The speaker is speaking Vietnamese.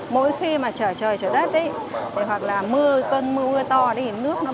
mỗi khi mà trở trời trở đất ấy hoặc là mưa cơn mưa to ấy